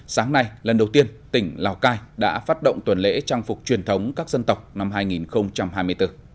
sáng nay lần đầu tiên tỉnh lào cai đã phát động tuần lễ trang phục truyền thống các dân tộc năm hai nghìn hai mươi bốn